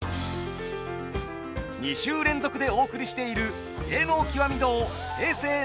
２週連続でお送りしている「芸能きわみ堂」